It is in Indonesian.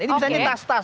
ini misalnya ini tas tas